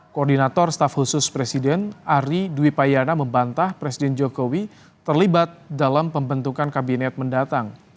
koordinator staf khusus presiden ari dwi payana membantah presiden jokowi terlibat dalam pembentukan kabinet mendatang